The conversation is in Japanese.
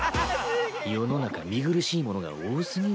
世の中見苦しいものが多すぎる。